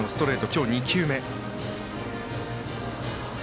今日２球目。